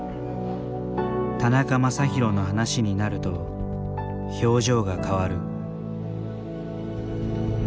田中将大の話になると表情が変わる。